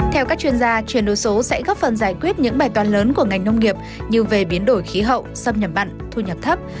theo các chuyên gia chuyển đổi số sẽ góp phần giải quyết những bài toàn lớn của ngành nông nghiệp như về biến đổi khí hậu xâm nhập mặn thu nhập thấp